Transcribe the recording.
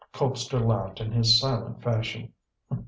Colpster laughed in his silent fashion.